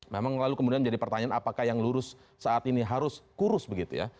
memang lalu kemudian jadi pertanyaan apakah yang lurus saat ini harus kurus begitu ya